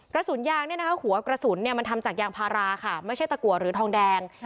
กระสุนยางเนี่ยนะคะหัวกระสุนมันทำจากยางพาราค่ะไม่ใช่ตะกัวหรือทองแดง